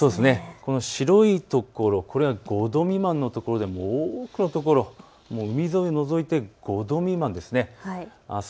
この白い所、５度未満の所で多くのところ、海沿いを除いて５度未満です。